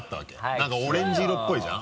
何かオレンジ色っぽいじゃん？